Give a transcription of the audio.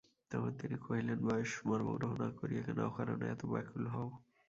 তখন তিনি কহিলেন, বয়স্য মর্মগ্রহ না করিয়া কেন অকারণে এত ব্যাকুল হও।